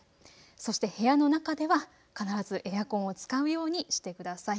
そして部屋の中では必ずエアコンを使うようにしてください。